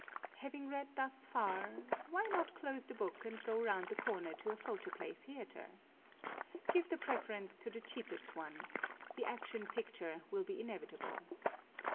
Having read thus far, why not close the book and go round the corner to a photoplay theatre? Give the preference to the cheapest one. _The Action Picture will be inevitable.